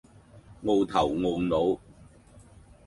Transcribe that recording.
傲頭傲腦